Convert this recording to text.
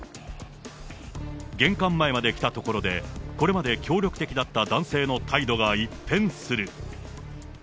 玄関前まで来たところで、これまで協力的だった男性の態度が一変する。